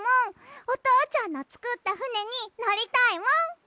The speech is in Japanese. おとうちゃんのつくったふねにのりたいもん！